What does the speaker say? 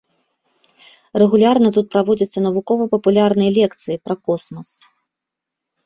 Рэгулярна тут праводзяцца навукова-папулярныя лекцыі пра космас.